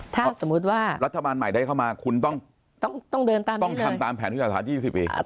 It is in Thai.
ถ้าสมมติว่ารัฐบาลใหม่ได้เข้ามาคุณต้องต้องทำตามแผนยุทธศาสตร์ชาติ๒๐ปี